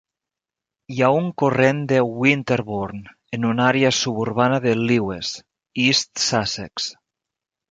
Hi ha un corrent de Winterbourne en una àrea suburbana de Lewes, East Sussex.